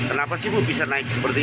kenapa sih bu bisa naik seperti ini